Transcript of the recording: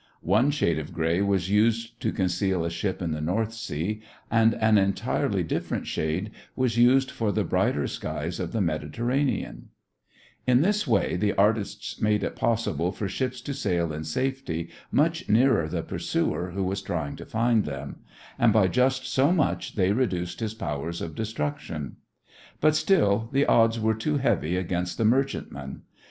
One shade of gray was used to conceal a ship in the North Sea and an entirely different shade was used for the brighter skies of the Mediterranean. [Illustration: (C) International Film A Giant Gun Concealed Among Trees Behind the French Lines] In this way, the artists made it possible for ships to sail in safety much nearer the pursuer who was trying to find them, and by just so much they reduced his powers of destruction. But still the odds were too heavy against the merchantman.